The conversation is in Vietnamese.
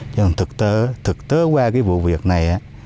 chứ thực tế qua cái vụ việc này